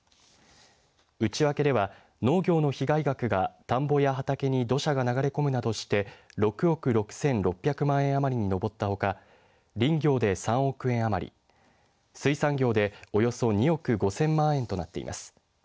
内訳では、農業の被害額が田んぼや畑に土砂が流れ込むなどして６億６６００万円余りに上ったほか林業で３億円余り水産業で、およそ２億５０００万円となっています。